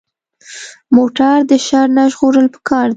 موټر د شر نه ژغورل پکار دي.